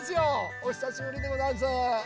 おひさしぶりでござんす。